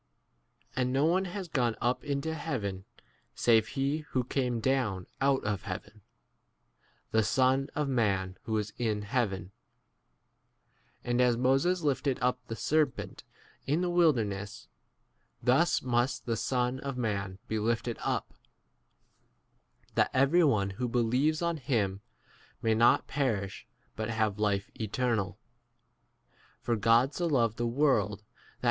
And no one has gone up into heaven save he who came down out of heaven, the Son 14 of man who is in heaven. And as Moses lifted up the serpent in the wilderness, thus must the Son of 15 man be lifted up, that every one who believes on7roTe, ' at any time,' applies to both parts of the sentence.